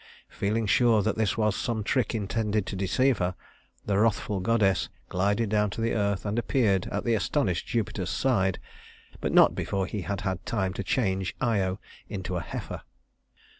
Feeling sure that this was some trick intended to deceive her, the wrathful goddess glided down to the earth and appeared at the astonished Jupiter's side but not before he had had time to change Io into a heifer.